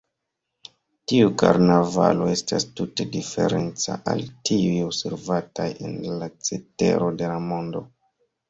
Tiu karnavalo estas tute diferenca al tiuj observataj en la cetero de la mondo.